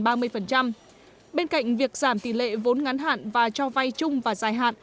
bên cạnh việc giảm tỷ lệ vốn ngắn hạn và cho vai chung và giải hạn